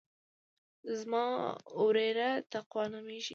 زما وريره تقوا نوميږي.